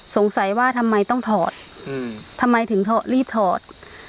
สงสัยว่าทำไมต้องถอดทำไมถึงรีบถอด